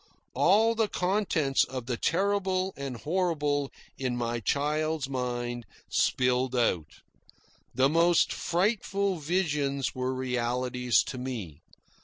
All the contents of the terrible and horrible in my child's mind spilled out. The most frightful visions were realities to me.